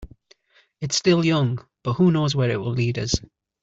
It's still young, but who knows where it will lead us.